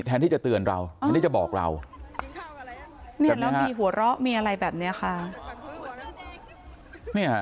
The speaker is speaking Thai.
แทนที่จะเตือนเราอันนี้จะบอกเราแล้วมีหัวเราะมีอะไรแบบนี้ค่ะ